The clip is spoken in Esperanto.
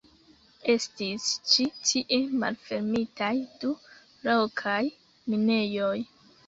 Estis ĉi tie malfermitaj du lokaj minejoj.